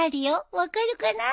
分かるかな？